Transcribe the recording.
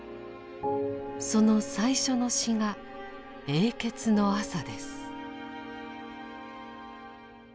その最初の詩が「永訣の朝」です。